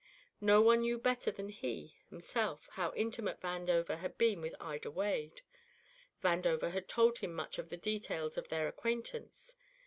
No one knew better than he himself how intimate Vandover had been with Ida Wade; Vandover had told him much of the details of their acquaintance.